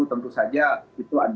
tentu saja itu ada